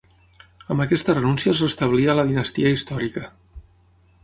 Amb aquesta renúncia es restablia la dinastia històrica.